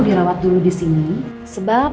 dirawat dulu disini sebab